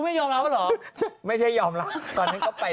เดี๋ยวว่ามาดูทำตาลี่